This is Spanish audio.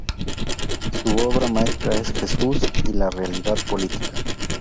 Su obra maestra es "Jesús y la realidad política".